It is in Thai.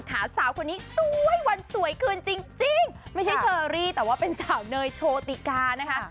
สาวคนนี้สวยวันสวยคืนจริงไม่ใช่เชอรี่แต่ว่าเป็นสาวเนยโชติกานะคะ